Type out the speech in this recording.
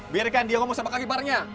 biarkan dia ngomong sama kakek parnya